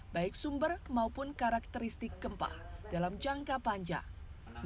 baik sumber maupun karakteristik gempa dalam jangka panjang